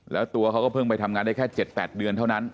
แล้วตัวเขาก็เพิ่งไปทำงานได้แค่๗๘เดือนเท่านั้น